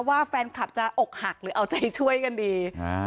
ว่าแฟนคลับจะอกหักหรือเอาใจช่วยกันดี